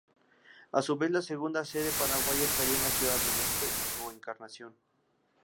A su vez, la segunda sede paraguaya estaría en Ciudad del Este o Encarnación.